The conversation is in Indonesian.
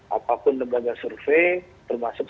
apapun negara survei termasuk survei